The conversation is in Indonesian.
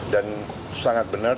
dan sangat benar